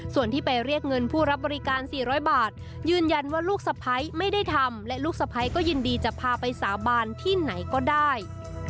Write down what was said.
ส่วนที่ไปเรียกเงินผู้รับบริการ๔๐๐บาทยืนยันว่าลูกสะพ้ายไม่ได้ทำและลูกสะพ้ายก็ยินดีจะพาไปสาบานที่ไหนก็ได้